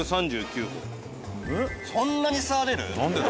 そんなに差出る？